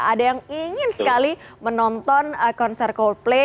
ada yang ingin sekali menonton konser coldplay